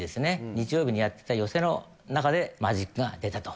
日曜日にやってた寄席の中でマジックが出たと。